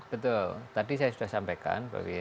betul tadi saya sudah sampaikan